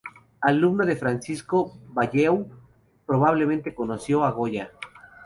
Alumno de Francisco Bayeu, probablemente conoció a Goya.